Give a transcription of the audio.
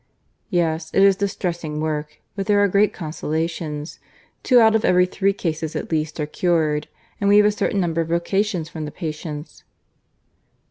"Yes, it is distressing work, but there are great consolations. Two out of every three cases at least are cured, and we have a certain number of vocations from the patients."